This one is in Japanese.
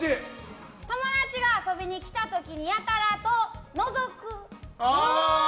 友達が遊びに来た時にやたらとのぞく。